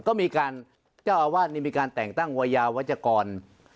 ก็มีการเจ้าอาวาสนี่มีการแต่งตั้งวัยยาวัชกร